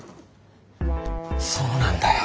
そうなんだよ。